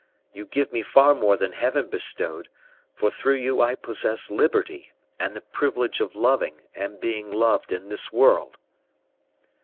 You give me far more than Heaven bestowed; for through you I possess liberty and the privilege of loving and being loved in this world.